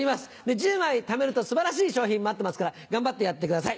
１０枚ためるとすばらしい賞品待ってますから、頑張ってやってください。